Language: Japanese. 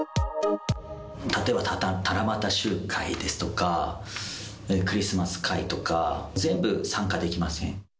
例えば七夕集会ですとか、クリスマス会とか、全部参加できません。